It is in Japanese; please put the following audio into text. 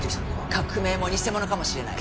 「革命も偽物かもしれない」